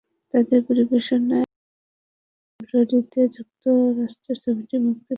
তাদের পরিবেশনায় আগামী বছরের ফেব্রুয়ারিতে যুক্তরাষ্ট্রে ছবিটি মুক্তি পাওয়ার কথা রয়েছে।